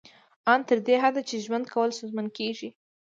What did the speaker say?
ان تر دې حده چې ژوند کول ستونزمن کیږي